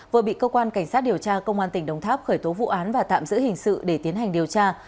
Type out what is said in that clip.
vừa bị cơ quan cảnh sát điều tra công an tỉnh đồng tháp khởi tố vụ án và tạm giữ hình sự để tiến hành điều tra